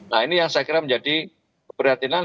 nah ini yang saya kira menjadi keprihatinan